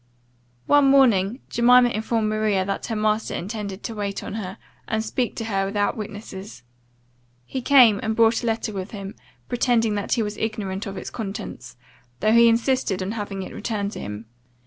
One morning Jemima informed Maria, that her master intended to wait on her, and speak to her without witnesses. He came, and brought a letter with him, pretending that he was ignorant of its contents, though he insisted on having it returned to him.